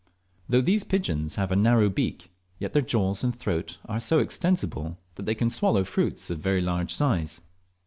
Though these pigeons have a narrow beak, yet their jaws and throat are so extensible that they can swallow fruits of very large size.